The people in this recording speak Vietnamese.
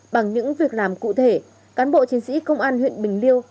bằng những việc làm cụ thể cán bộ chiến sĩ công an huyện bình liêu